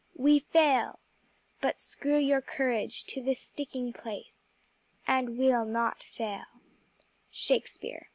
_ We fail! But screw your courage to the sticking place, And we'll not fail." _Shakespeare.